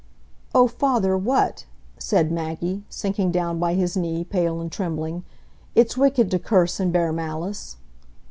"Oh, father, what?" said Maggie, sinking down by his knee, pale and trembling. "It's wicked to curse and bear malice."